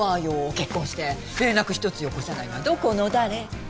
結婚して連絡一つよこさないのはどこの誰？